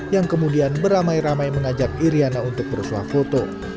yang kemudian beramai ramai mengajak iryana untuk bersuah foto